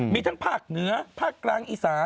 มีทั้งภาคเหนือภาคกลางอีสาน